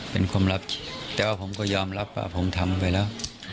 เป็นความลับแต่ว่าผมก็ยอมรับว่าผมทำไปแล้ว